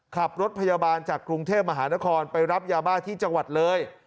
ขับรถพยาบาลจากกรุงเทพมหานครไปรับยาบ้าที่จังหวัดเลย